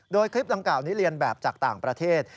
โดยคลิปดังกล่าวนี้เรียนแบบจากต่างประเทศ